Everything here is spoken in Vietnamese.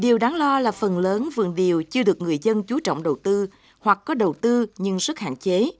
điều đáng lo là phần lớn vườn điều chưa được người dân chú trọng đầu tư hoặc có đầu tư nhưng rất hạn chế